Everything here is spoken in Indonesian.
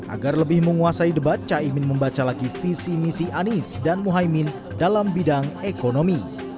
agar lebih menguasai debat caimin membaca lagi visi misi anies dan muhaymin dalam bidang ekonomi